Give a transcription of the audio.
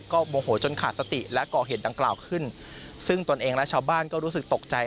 ก็โมโหจนขาดสติและก่อเหตุดังกล่าวขึ้นซึ่งตนเองและชาวบ้านก็รู้สึกตกใจ